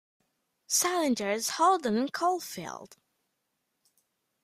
Salinger's Holden Caulfield.